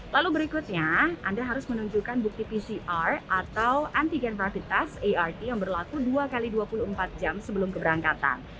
lalu berikutnya anda harus menunjukkan bukti pcr atau antigen rapid test art yang berlaku dua x dua puluh empat jam sebelum keberangkatan